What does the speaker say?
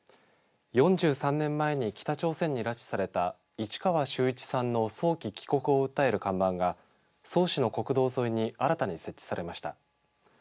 ４３年前に北朝鮮に拉致された市川修一さんの早期帰国を訴える看板が曽於市の国道沿いに新たに設置されました。